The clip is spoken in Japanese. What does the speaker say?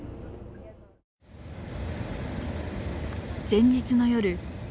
前日の夜。